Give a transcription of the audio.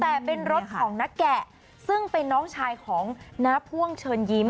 แต่เป็นรถของน้าแกะซึ่งเป็นน้องชายของน้าพ่วงเชิญยิ้ม